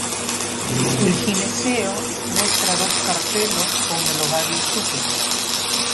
El gineceo muestra dos carpelos, con el ovario súpero.